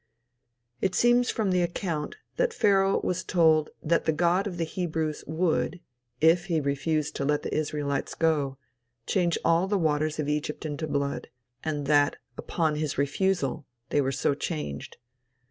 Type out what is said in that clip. It seems from the account that Pharaoh was told that the God of the Hebrews would, if he refused to let the Israelites go, change all the waters of Egypt into blood, and that, upon his refusal, they were so changed.